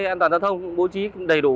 an toàn giao thông bố trí đầy đủ